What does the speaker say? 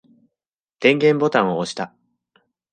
電源ボタンを押した。